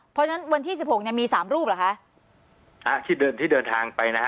เพราะฉะนั้นวันที่สิบหกเนี่ยมีสามรูปเหรอคะอ่าที่เดินที่เดินทางไปนะฮะ